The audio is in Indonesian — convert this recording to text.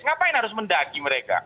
ngapain harus mendaki mereka